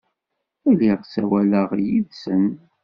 Lliɣ ssawaleɣ yid-sen.